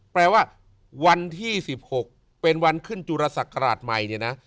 แปลว่าวันที่๑๖เป็นวันขึ้นจุรศักราชใหม่เนี่ยนะ